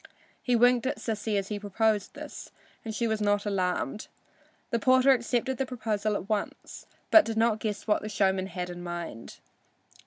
He winked at Sissy as he proposed this, and she was not alarmed. The porter accepted the proposal at once, but he did not guess what the showman had in mind.